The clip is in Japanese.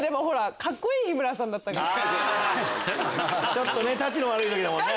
ちょっとたちの悪い時だもんね。